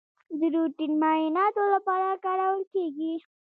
د روټین معایناتو لپاره کارول کیږي.